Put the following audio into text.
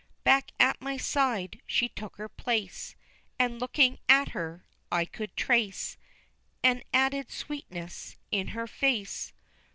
Back at my side she took her place, And looking at her, I could trace An added sweetness in her face.